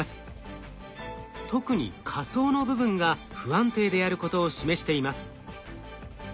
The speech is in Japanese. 特に下層の部分が不安定であることを示しています。